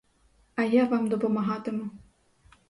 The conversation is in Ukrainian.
А я вам допомагатиму.